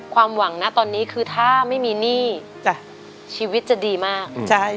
ความหวังนะตอนนี้คือถ้าไม่มีหนี้ชีวิตจะดีมาก